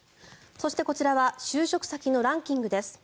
そして、こちらは就職先のランキングです。